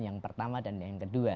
yang pertama dan yang kedua